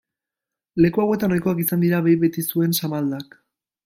Leku hauetan ohikoak izan dira behi betizuen samaldak.